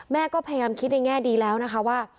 แม่ก็พยายามคิดในแง่ดีแล้วนะคะว่า